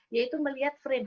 yaitu melihat frame